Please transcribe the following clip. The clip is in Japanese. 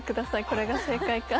これが正解か。